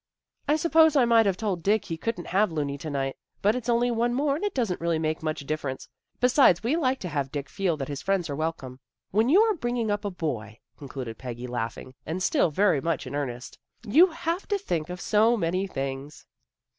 ' I suppose I might have told Dick he couldn't have Looney to night. But it's only one more and it doesn't really make much dif ference. Besides we like to have Dick feel that his friends are welcome. When you are bring ing up a boy," concluded Peggy, laughing, and still very much in earnest, " you have to think of so many things."